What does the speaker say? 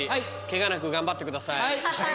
ケガなく頑張ってください。